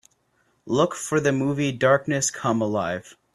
Look for the movie Darkness Come Alive